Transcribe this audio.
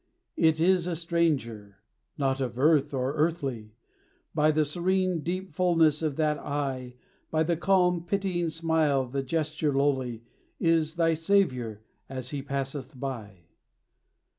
It is a stranger not of earth or earthly; By the serene, deep fulness of that eye, By the calm, pitying smile, the gesture lowly, It is thy Savior as he passeth by.